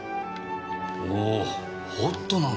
おホットなんだ。